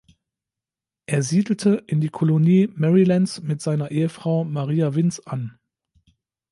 Er siedelte in die Kolonie Marylands mit seiner Ehefrau Maria Winz an.